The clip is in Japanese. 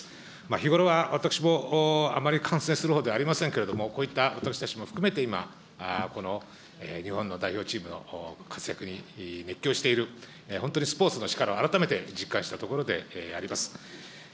日頃は私も、あまり観戦するほうではありませんけれども、こういった私たちも含めて今、この日本の代表チームの活躍に熱狂している、本当にスポーツの力を改めて実感したところであります。